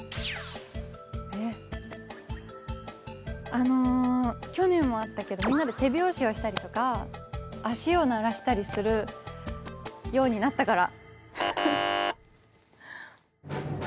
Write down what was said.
あの去年もあったけどみんなで手拍子をしたりとか足を鳴らしたりするようになったから。